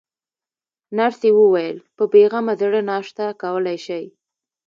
نرسې وویل: په بې غمه زړه ناشته کولای شئ.